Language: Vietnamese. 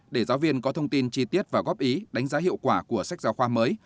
để giáo viên có thông tin chi tiết và góp ý đánh giá hiệu quả của sách giáo khoa mới